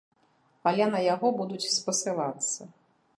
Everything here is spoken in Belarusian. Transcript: Але на яго будуць спасылацца.